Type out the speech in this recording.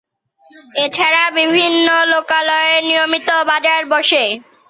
এছাড়াও বিভিন্ন লোকালয়ে নিয়মিত বাজার বসে।